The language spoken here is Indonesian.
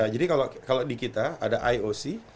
jadi kalau di kita ada ioc